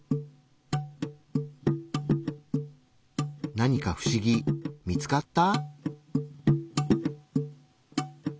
何か不思議見つかった？